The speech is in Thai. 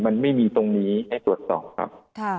มันไม่มีตรงนี้ให้ตรวจสอบครับ